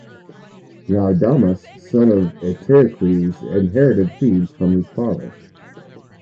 Laodamas, son of Eteocles, inherited Thebes from his father.